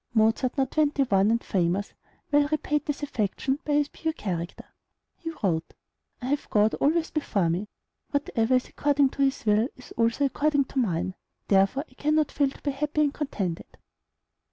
Mozart, now twenty one, and famous, well repaid this affection by his pure character. He wrote: "I have God always before me. Whatever is according to his will is also according to mine; therefore I cannot fail to be happy and contented."